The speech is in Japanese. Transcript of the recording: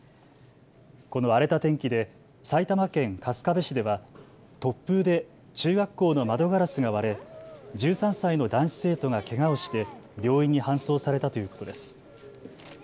この荒れた天気で埼玉県春日部市では突風で中学校の窓ガラスが割れ１３歳の男子生徒がけがをして病院に搬送されたということです。